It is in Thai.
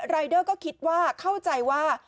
รายเดอร์ก็เข้าใจว่า